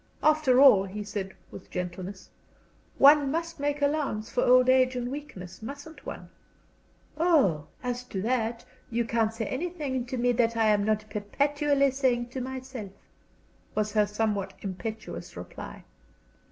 "After all," he said, with gentleness, "one must make allowance for old age and weakness, mustn't one?" "Oh, as to that, you can't say anything to me that I am not perpetually saying to myself," was her somewhat impetuous reply.